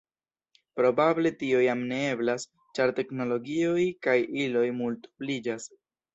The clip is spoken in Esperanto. Probable tio jam ne eblas, ĉar teknologioj kaj iloj multobliĝas.